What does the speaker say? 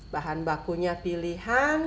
bahan bakunya pilih